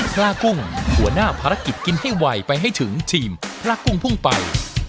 ลากุ้งหัวหน้าภารกิจกินให้ไวไปให้ถึงทีมพระกุ้งพุ่งไป